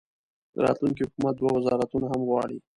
د راتلونکي حکومت دوه وزارتونه هم غواړي.